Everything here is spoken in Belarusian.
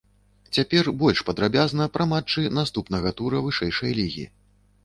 Цяпер больш падрабязна пра матчы наступнага тура вышэйшай лігі.